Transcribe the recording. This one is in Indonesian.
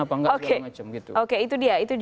apa nggak oke itu dia